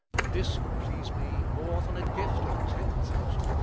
This would please me more than a gift of ten thousand crowns."